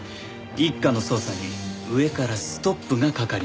一課の捜査に上からストップがかかりました。